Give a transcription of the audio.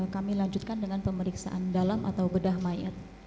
kami lanjutkan dengan pemeriksaan dalam atau bedah mayat